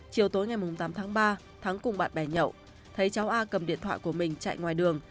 chiều tối ngày tám tháng ba thắng cùng bạn bè nhậu thấy cháu a cầm điện thoại của mình chạy ngoài đường